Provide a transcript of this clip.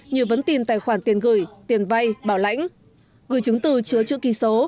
như vấn tin tài khoản tiền gửi tiền vay bảo lãnh gửi chứng từ chứa chữ ký số